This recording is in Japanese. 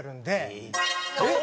えっ？